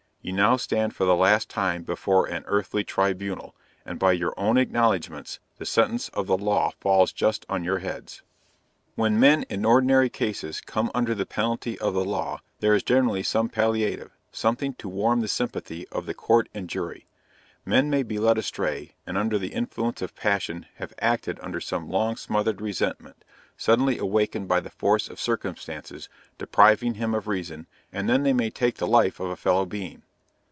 You now stand for the last time before an earthly tribunal, and by your own acknowledgments, the sentence of the law falls just on your heads. When men in ordinary cases come under the penalty of the law there is generally some palliative something to warm the sympathy of the Court and Jury. Men may be led astray, and under the influence of passion have acted under some long smothered resentment, suddenly awakened by the force of circumstances, depriving him of reason, and then they may take the life of a fellow being.